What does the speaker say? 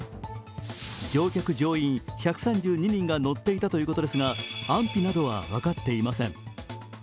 乗客・乗員１３２人が乗っていたということですが安否などは分かっていません。